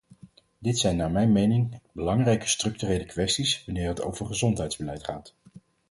Dit zijn naar mijn mening belangrijke structurele kwesties wanneer het over gezondheidsbeleid gaat.